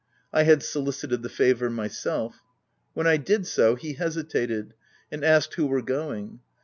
I had solicited the favour myself. When I did so, he hesitated, and asked who were going.